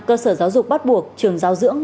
cơ sở giáo dục bắt buộc trường giáo dưỡng